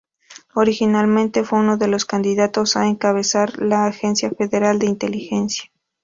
Originalmente fue uno de los candidatos a encabezar la Agencia Federal de Inteligencia.